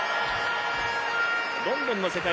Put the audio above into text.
ロンドンの世界